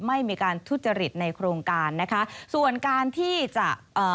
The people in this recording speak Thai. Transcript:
ไม่มีการทุจริตในโครงการนะคะส่วนการที่จะเอ่อ